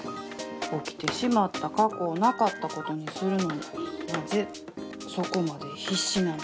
起きてしまった過去をなかったことにするのになぜそこまで必死なんでしょう。